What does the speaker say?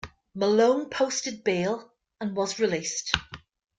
Malone posted bail and was released.